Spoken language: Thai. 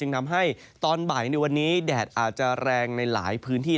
ทำให้ตอนบ่ายในวันนี้แดดอาจจะแรงในหลายพื้นที่